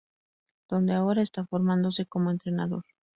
Donde ahora está formándose como entrenador.